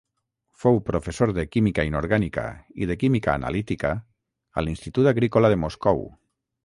Fou professor de química inorgànica i de química analítica a l'Institut Agrícola de Moscou.